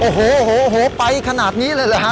โอ้โหโอ้โหโอ้โหไปขนาดนี้เลยเหรอฮะ